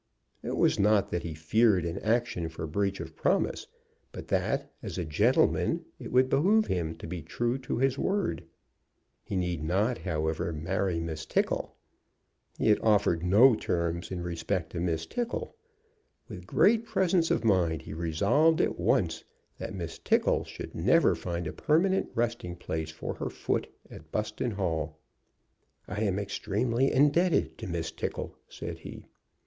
It was not that he feared an action for breach of promise, but that, as a gentleman, it would behoove him to be true to his word. He need not, however, marry Miss Tickle. He had offered no terms in respect to Miss Tickle. With great presence of mind he resolved at once that Miss Tickle should never find a permanent resting place for her foot at Buston Hall. "I am extremely indebted to Miss Tickle," said he.